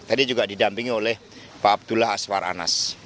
tadi juga didampingi oleh pak abdullah aswar anas